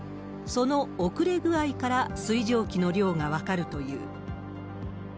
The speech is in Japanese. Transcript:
その遅れ具合から水蒸気の量が分かるという。